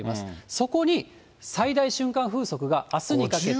そこに最大瞬間風速があすにかけて。